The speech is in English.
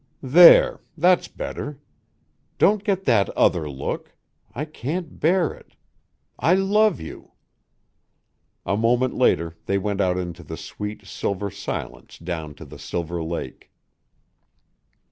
"There! That's better. Don't get that other look. I can't bear it. I love you." A moment later they went out into the sweet, silver silence down to the silver lake.